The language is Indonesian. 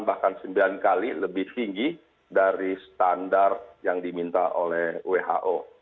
dan kami juga sudah mencari penggunaan yang lebih besar dari standar yang diminta oleh who